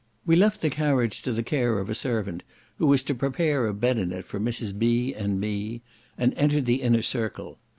We left the carriage to the care of a servant, who was to prepare a bed in it for Mrs. B. and me, and entered the inner circle.